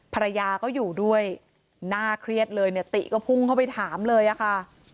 ภรรยาก็อยู่ด้วยน่าเครียดเลยเนี่ยติก็พุ่งเข้าไปถามเลยอะค่ะ